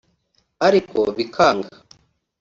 ariko bikanga